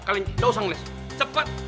kalian gak usah ngeles cepat